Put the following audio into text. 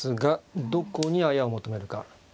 どこにあやを求めるか。